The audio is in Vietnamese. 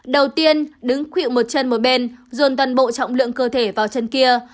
đầu tiên đứng quự một chân một bên dồn toàn bộ trọng lượng cơ thể vào chân kia